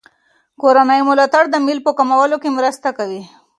کورني ملاتړ د میل په کمولو کې مرسته کوي.